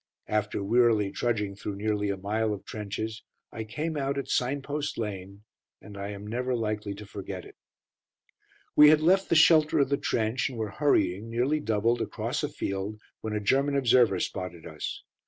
After wearily trudging through nearly a mile of trenches, I came out at "Signpost Lane," and I am never likely to forget it. We had left the shelter of the trench, and were hurrying, nearly doubled, across a field, when a German observer spotted us.